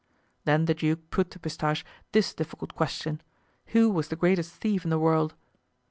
Then the duke put to Pistache this difficult question, who was the greatest thief in the world?